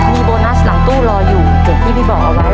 มีโบนัสหลังตู้รออยู่อย่างที่พี่บอกเอาไว้